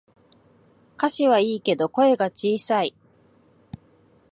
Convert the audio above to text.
歌詞はいいけど声が小さい